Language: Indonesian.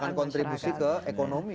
dan akan kontribusi ke ekonomi